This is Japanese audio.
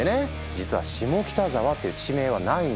実は「下北沢」っていう地名はないんだ。